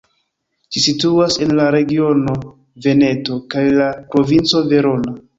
Ĝi situas en la regiono Veneto kaj la provinco Verona.